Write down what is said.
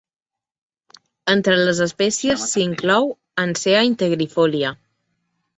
Entre les espècies s'inclou "Hancea integrifolia".